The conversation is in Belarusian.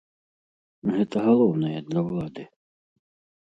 Гэта галоўнае для ўлады.